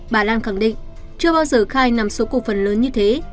bà lan khẳng định chưa bao giờ khai nằm số cổ phần lớn như thế